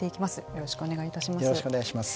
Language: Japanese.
よろしくお願いします。